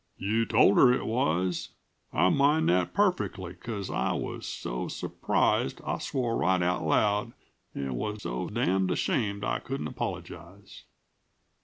"You told her it was. I mind that perfectly, because I was so su'prised I swore right out loud and was so damned ashamed I couldn't apologize.